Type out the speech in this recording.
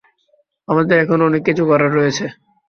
আমাদের এখনও অনেক কিছু করার রয়েছে।